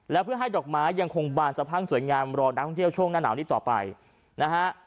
และเพื่อให้ดอกไม้ยังคงบานสะพังสวยงามรอนักท่องเที่ยวช่วงหน้าหนาวนี้ต่อไปนะฮะ